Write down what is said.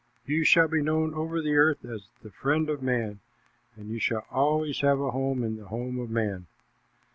You shall be known over the earth as the friend of man, and you shall always have a home in the home of man.